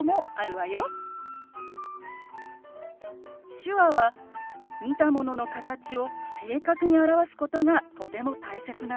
手話は見たものの形を正確に表すことがとても大切なの。